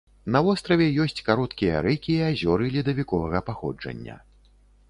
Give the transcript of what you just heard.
На востраве ёсць кароткія рэкі і азёры ледавіковага паходжання.